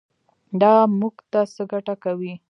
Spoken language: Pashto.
دا موږ ته څه ګټه کوي.